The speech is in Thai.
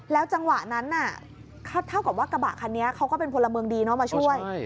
จังหวะนั้นเท่ากับว่ากระบะคันนี้เขาก็เป็นพลเมืองดีมาช่วย